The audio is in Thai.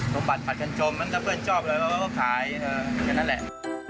สมบัติปัดกันจมมันก็เพื่อนชอบเลยเพราะว่าก็ขายอย่างนั้นแหละ